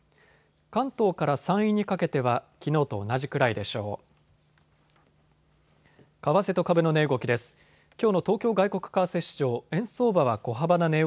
関東から山陰にかけては、きのうと同じくらいでしょう。